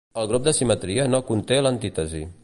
El grup de simetria no conté l'antítesi.